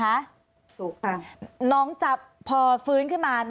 อันดับที่สุดท้าย